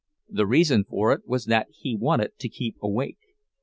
The reason for it was that he wanted to keep awake.